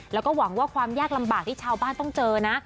แล้วก็หวังว่าความยากลำบากที่ชาวบ้านต้องเจอนะ